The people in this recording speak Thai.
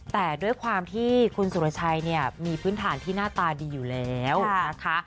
แต่ด้วยความที่คุณสุรชัยเนี่ยมีพื้นฐานที่หน้าตาดีอยู่แล้วนะคะ